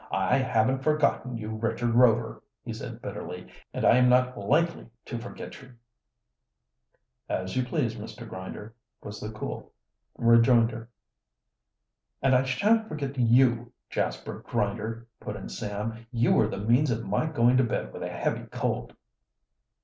"I haven't forgotten you, Richard Rover," he said bitterly. "And I am not likely to forget you." "As you please, Mr. Grinder," was the cool rejoinder. "And I shan't forget you, Jasper Grinder," put in Sam. "You were the means of my going to bed with a heavy cold."